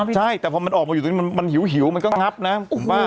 ใช่แต่พอมันออกมาอยู่ตรงนี้มันหิวมันก็งับนะ